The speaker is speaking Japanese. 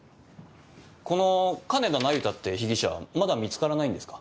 この金田那由他って被疑者まだ見つからないんですか？